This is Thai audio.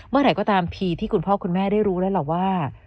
เมื่อไหร่ก็ตามทีที่คุณพ่อคุณแม่ได้รู้แล้วล่ะว่า